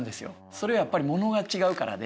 それはやっぱりモノが違うからで。